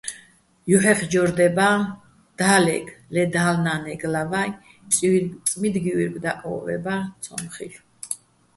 ჲუჰ̦ეხჯორ დება́, და́ლეგო̆, ლე დალნა́ნეგო̆ ლავა́, წმიდგივუ́ჲრგ დაკვო́ჸვება́, ცო́მ ხილ'ო̆.